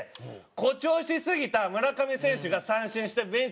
誇張しすぎた村上選手が三振してベンチに帰るモノマネ